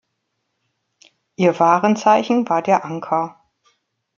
Ihr Warenzeichen war der Anker.